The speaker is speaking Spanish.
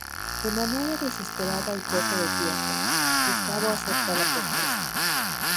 De manera desesperada y corto de tiempo, Gustavo acepta la propuesta.